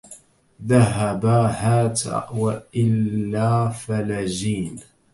ذهبا هات وإلا فلجين